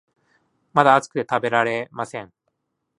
まだ熱くて食べられません